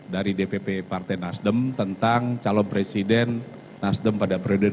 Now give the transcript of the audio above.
dari dpp partai nasdem tentang calon presiden nasdem pada periode dua tahun ini